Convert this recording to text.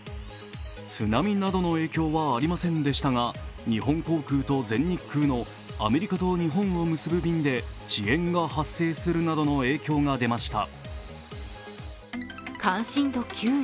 津波などの影響はありませんでしたが日本航空と全日空のアメリカと日本を結ぶ便で遅延が発生するなどの影響が出ました。